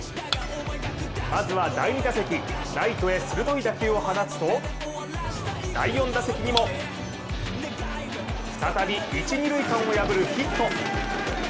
まずは、第２打席、ライトへ鋭い打球を放つと第４打席にも、再び一・二塁間を破るヒット。